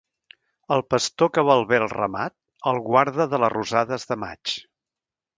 El pastor que vol bé al ramat, el guarda de les rosades de maig.